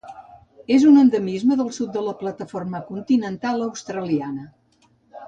És un endemisme del sud de la plataforma continental australiana.